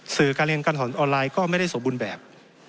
สื่อการเรียนการถอนออนไลน์ก็ไม่ได้สมบูรณ์แบบ